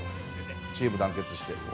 チームが団結して。